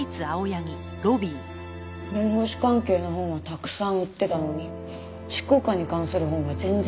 弁護士関係の本はたくさん売ってたのに執行官に関する本は全然売ってなかったんです。